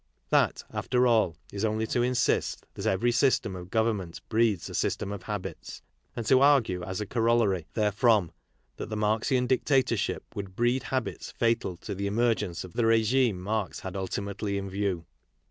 That, after all, is only to insist that every system of government breeds a system of habits ; and to argue as a corollary therefrom that the Marxian dictatorship would breed habits fatal to the emergence of the regime Marx had ultimately in view.